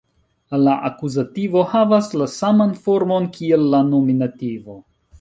La akuzativo havas la saman formon kiel la nominativo.